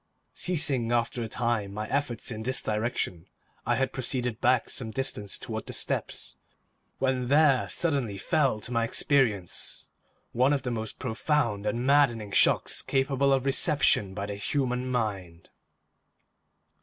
Ceasing after a time my efforts in this direction, I had proceeded back some distance toward the steps, when there suddenly fell to my experience one of the most profound and maddening shocks capable of reception by the human mind.